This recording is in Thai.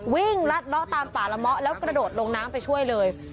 วิ่งรัดล่อตามป่าละเมาะแล้วกระโดดโรงน้ำไปช่วยเลย